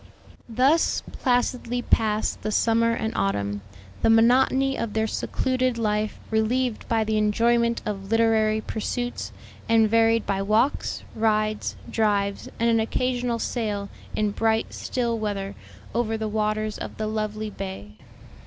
Thus placidly passed the summer and autumn, the monotony of their secluded life relieved by the enjoyment of literary pursuits, and varied by walks, rides, drives, and an occasional sail, in bright, still weather, over the waters of the lovely bay.